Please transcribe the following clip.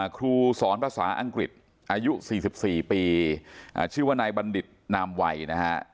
ครูสอนภาษาอังกฤษอายุ๔๔ปีชื่อว่านายบัณฑิตนามวัยนะฮะ